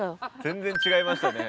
全然違いましたね。